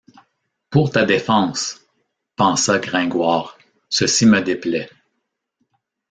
Pour ta défense! pensa Gringoire, ceci me déplaît.